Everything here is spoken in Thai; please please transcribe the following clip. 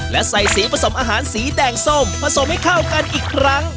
และใส่สีผสมอาหารสีแดงส้มผสมให้เข้ากันอีกครั้ง